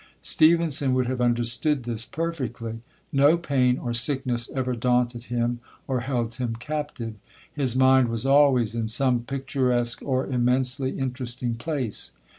Stevenson would have understood this perfectly. No pain or sickness ever daunted him, or held him captive; his mind was always in some picturesque or immensely interesting place.